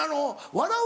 笑う。